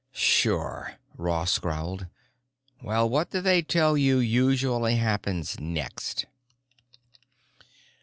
"Sure," Ross growled. "Well, what do they tell you usually happens next?"